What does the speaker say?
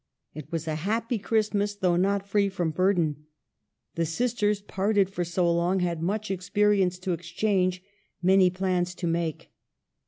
It was a happy Christmas, though not free from burden. The sisters, parted for so long, had much experience to exchange, many plans to make.